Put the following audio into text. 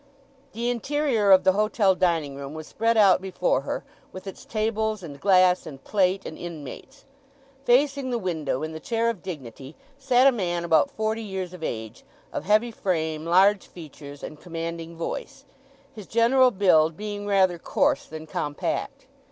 The interior of the hotel dining room was spread out before her, with its tables, and glass, and plate, and inmates. Facing the window, in the chair of dignity, sat a man about forty years of age; of heavy frame, large features, and commanding voice; his general build being rather coarse than compact.